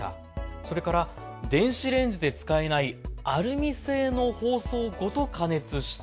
それから電子レンジで使えないアルミ製の包装ごと加熱した。